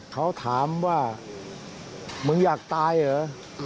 เขาถามว่ามึงอยากตายเหรอ